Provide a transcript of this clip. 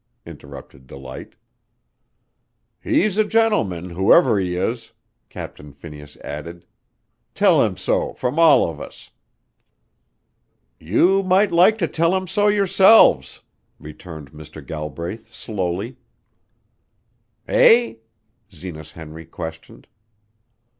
interrupted Delight. "He's a gentleman, whoever he is," Captain Phineas added. "Tell him so from all of us." "You might like to tell him so yourselves," returned Mr. Galbraith slowly. "Eh?" Zenas Henry questioned.